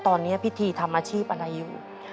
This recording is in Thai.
ตอนนี้พิธีทำอาชีพอะไรอยู่